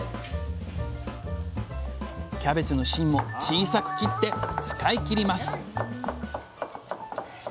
キャベツの芯も小さく切って使い切ります